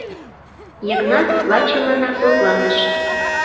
Йыгнат лачымынак лыпланыш.